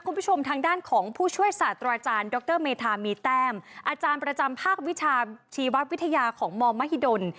คุณผู้ชมทางด้านของผู้ช่วยศาสตราจารย์ดรเมธามีแต้มอาจารย์ประจำภาควิชาชีววิทยาของมมหิดล